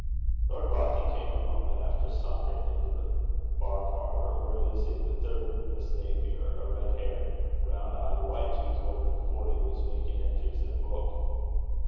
Lord Rothie came, a moment after, sauntering into the bar parlour, where Lizzie, the third Miss Napier, a red haired, round eyed, white toothed woman of forty, was making entries in a book.